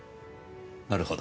なるほど。